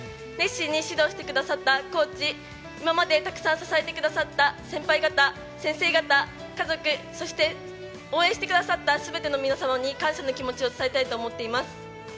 熱心に指導してくださったコーチ、今までたくさん支えてくださった先輩、先生方、家族、そして応援してくださった全ての皆様に感謝の気持ちを伝えたいと思っています。